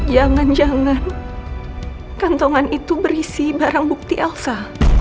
jangan jangan kantongan itu berisi barang bukti elsa